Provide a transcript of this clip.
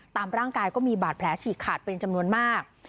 ตามร่างกายก็มีบาดแผลฉีกขาดเป็นจำนวนมาก